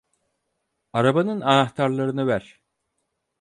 Arabanın anahtarlarını ver.